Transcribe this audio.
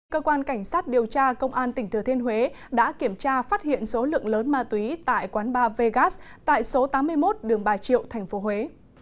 cơ quan cảnh sát điều tra công an tỉnh thừa thiên huế đã kiểm tra phát hiện số lượng lớn ma túy tại quán ba vegas tại số tám mươi một đường bà triệu tp huế